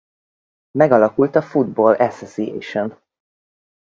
Megalakult a Football Association.